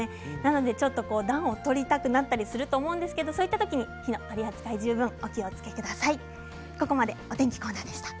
ちょっと暖を取りたくなったりするんですがそういった時に火の取り扱い十分気をお気をつけください。